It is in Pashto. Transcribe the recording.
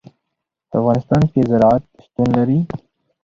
په افغانستان کې زراعت شتون لري.